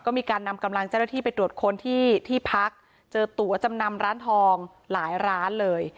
ก็มีการนำกำลังเจ้าหน้าที่ไปตรวจค้นที่ที่พักเจอตัวจำนำร้านทองหลายร้านเลย